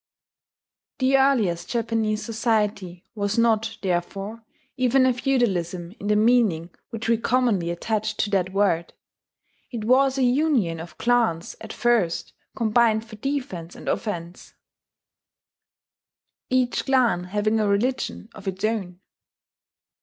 The earliest Japanese society was not, therefore, even a feudalism in the meaning which we commonly attach to that word: it was a union of clans at first combined for defence and offence, each clan having a religion of its own.